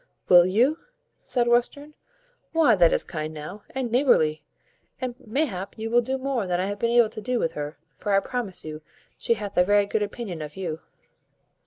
"Will you?" said Western; "why that is kind now, and neighbourly, and mayhap you will do more than I have been able to do with her; for I promise you she hath a very good opinion of you."